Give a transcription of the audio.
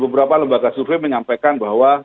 beberapa lembaga survei menyampaikan bahwa